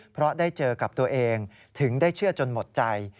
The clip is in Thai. เพราะได้เจอกับตัวเองถึงได้เชื่อจนหมดใจ